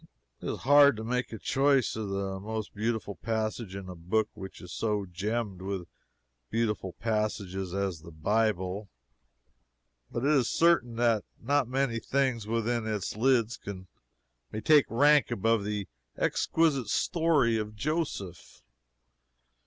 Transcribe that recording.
It is hard to make a choice of the most beautiful passage in a book which is so gemmed with beautiful passages as the Bible; but it is certain that not many things within its lids may take rank above the exquisite story of Joseph.